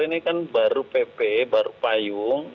ini kan baru pp baru payung